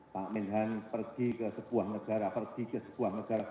pak minhan pergi ke sebuah negara